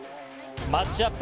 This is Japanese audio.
マッチアップ